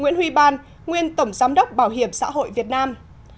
nguyễn huy ban nguyên tổng giám đốc bảo hiểm xã hội việt nam